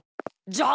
じゃあ。